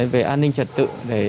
về an ninh trật tự